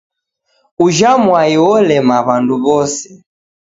Ujha mwai wolema w'andu w'ose.